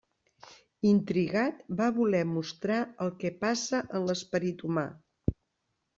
Intrigat, va voler mostrar el que passa en l'esperit humà.